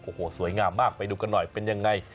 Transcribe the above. โอ้โหสวยงามมากไปดูกันหน่อยเป็นยังไง